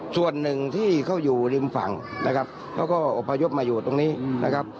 ส่วนหนึ่งที่เขาอยู่ริมฝั่งนะครับเขาก็อบพยพมาอยู่ตรงนี้นะครับ